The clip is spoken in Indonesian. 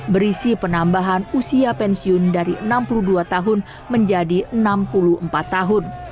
berisi penambahan usia pensiun dari enam puluh dua tahun menjadi enam puluh empat tahun